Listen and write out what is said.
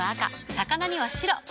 魚には白。